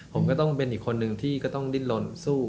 ผมก็ต้องเป็นอีกคนนึงที่ก็ต้องดิ้นลนสู้